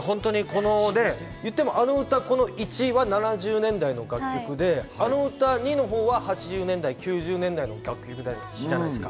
『あの歌ー１ー』は７０年代の楽曲で『あの歌ー２ー』のほうは８０年代、９０年代の楽曲じゃないですか。